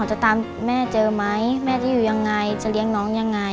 จะอยู่ยังไงจะเลี้ยงน้องยังไง